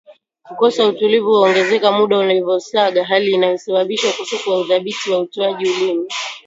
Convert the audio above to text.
Kukosa utulivu huongezeka muda unavyosonga hali inayosababisha ukosefu wa uthabiti wa utoaji ulimi